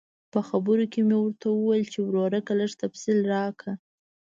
په خبرو کې مې ورته وویل چې ورورکه لږ تفصیل راکړه.